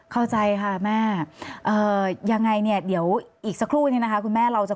เข้าใจค่ะแม่ยังไงเนี่ยเดี๋ยวอีกสักครู่นึงนะคะคุณแม่เราจะ